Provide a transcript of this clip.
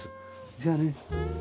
じゃあね。